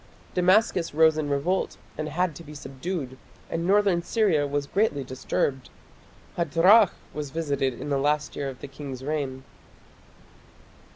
Damascus rose in revolt and had to be subdued, and northern Syria was greatly disturbed. Hadrach was visited in the last year of the king's reign.